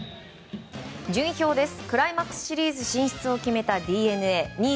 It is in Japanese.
順位表です。